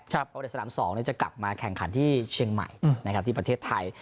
เพราะเด็กสนาม๒จะกลับมาแข่งขันที่เชียงใหม่ที่ประเทศไทย